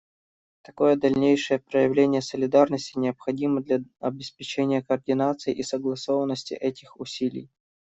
Такое дальнейшее проявление солидарности необходимо для обеспечения координации и согласованности этих усилий.